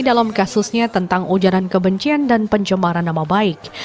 dalam kasusnya tentang ujaran kebencian dan pencemaran nama baik